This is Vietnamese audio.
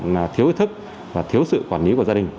là thiếu ý thức và thiếu sự quản lý của gia đình